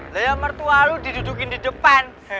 leya mertualu didudukin di depan